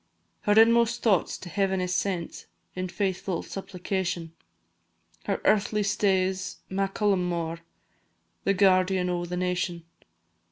Her inmost thoughts to Heaven is sent, In faithful supplication; Her earthly stay 's Macallummore, The guardian o' the nation.